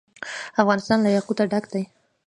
افغانستان له یاقوت ډک دی.